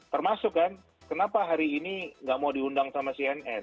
termasuk kan kenapa hari ini nggak mau diundang sama cnn